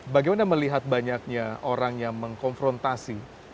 bagaimana melihat banyaknya orang yang mengkonfrontasi